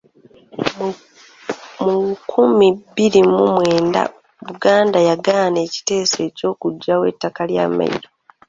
Mu nkumi bbiri mu mwenda Buganda yagaana ekiteeso eky'okuggyawo ettaka lya mmayiro.